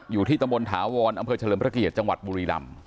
อยู่ที่ตำบลถาวรอำเภอเฉลิมพระเกียรติจังหวัดบุรีรำ